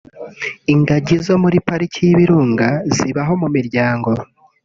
Ingagi zo muri Pariki y’ibirunga zibaho mu miryango